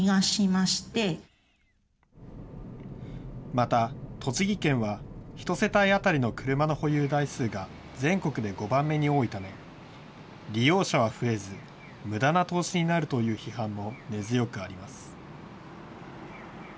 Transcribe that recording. また、栃木県は１世帯当たりの車の保有台数が全国で５番目に多いため、利用者は増えず、無駄な投資になるという批判も根強くあります。